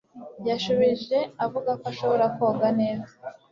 Yashubije avuga ko ashobora koga neza